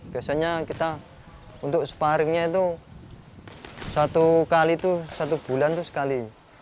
biasanya kita untuk sparringnya itu satu kali itu satu bulan itu sekali